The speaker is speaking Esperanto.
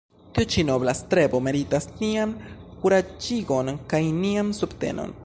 Tiu ĉi nobla strebo meritas nian kuraĝigon kaj nian subtenon.